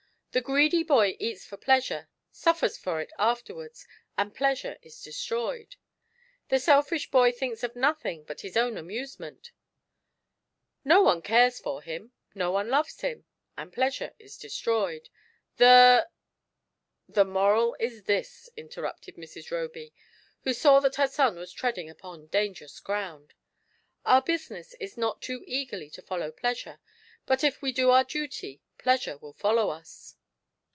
The greedy boy eats for pleasure, sufiers for it afterwards, and pleasure is destroyed. The selfish boy thinks of nothing but his own amusement — ^no one cares for him, no one loves him — and pleasure is destroyed. The "— "The moral is this," interrupted Mrs. Roby, who saw that her son was treading upon dangerous ground :" Our business is not too eagerly to follow pleasure, but if we do our duty pleasure will follow us.